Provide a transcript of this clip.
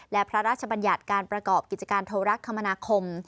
และพระราชบัญญัติการประกอบกิจการโทรคมนาคม